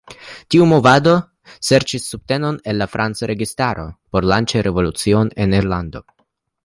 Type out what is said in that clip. Tiu movado serĉis subtenon el la Franca registaro por lanĉi revolucion en Irlando.